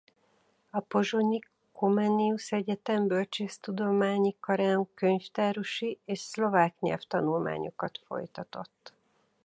A pozsonyi Comenius Egyetem Bölcsészettudományi Karán könyvtárosi és szlovák nyelv tanulmányokat folytatott.